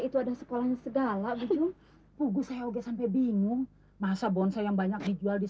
itu adalah sekolahnya segala bisa kugus saya uge sampai bingung masa bonsai yang banyak dijual di